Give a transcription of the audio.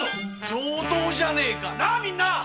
上等じゃねえかなあみんな！